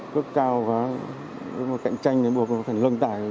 cước cao và cạnh tranh thì buộc phải lưng tải